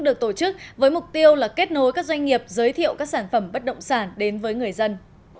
được tổ chức với mục tiêu là kết nối các doanh nghiệp giới thiệu các sản phẩm bất động sản đến với người dân